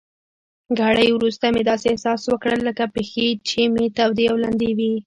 ګړی وروسته مې داسې احساس وکړل لکه پښې چي مې تودې او لندې وي.